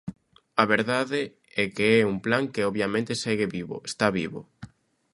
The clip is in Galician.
A verdade é que é un plan que, obviamente, segue vivo, está vivo.